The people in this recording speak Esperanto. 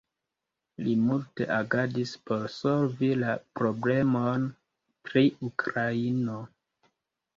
Li multe agadis por solvi la problemon pri Ukraino.